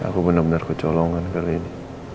aku bener bener kecolongan kali ini